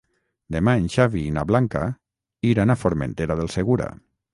Demà en Xavi i na Blanca iran a Formentera del Segura.